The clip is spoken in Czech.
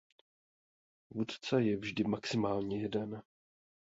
Vůdce je vždy maximálně jeden.